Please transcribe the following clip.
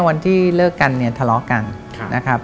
วันที่เลิกกันเนี่ยทะเลาะกันนะครับ